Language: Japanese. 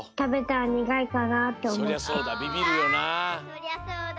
そりゃそうだ。